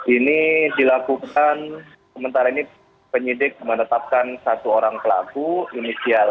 ini dilakukan sementara ini penyidik menetapkan satu orang pelaku inisial